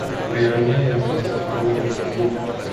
بیانیہ یا فلسفانہ گفتگو